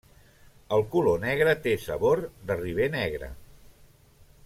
El color negre té sabor de riber negre.